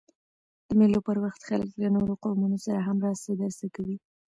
د مېلو پر وخت خلک له نورو قومونو سره هم راسه درسه کوي.